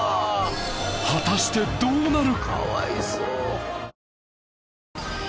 果たしてどうなる！？